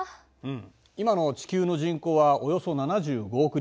今の地球の人口はおよそ７５億人。